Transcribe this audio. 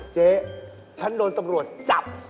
เจ๊ฉันโดนตำรวจจับ